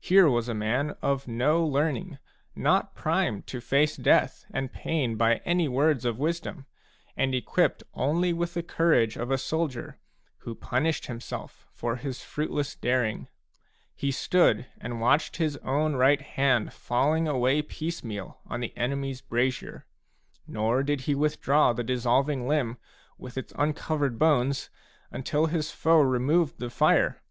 Here was a ,man of no learning, not primed to face death and pain by any words of wisdom, and equipped only with the courage of a soldier, who punished himself for his fruitless daring ; he stood and watched his own right hand falling away piecemeal on the enemy's brazier/ nor did he withdraw the dissolving limb, with its uncovered bones, until his foe removed the fire.